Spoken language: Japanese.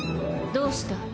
どうした？